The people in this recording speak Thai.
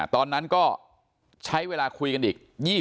ตอนนั้นก็ใช้เวลาคุยกันอีก